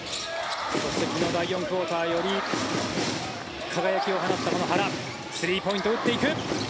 そして第４クオーターより輝きを放ってスリーポイントを打っていく。